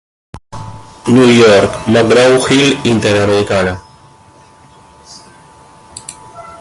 New York: McGraw-Hill Interamericana.